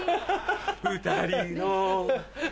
２人の